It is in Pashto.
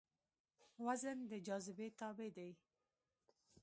وزن د جاذبې تابع دی.